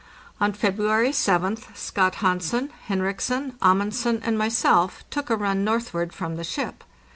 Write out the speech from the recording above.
On February 7th Scott Hansen, Henriksen, Amundsen, and myself took a run northward from the ship.